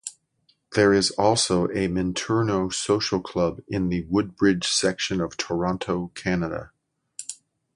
There is also a Minturno social club in the Woodbridge section of Toronto, Canada.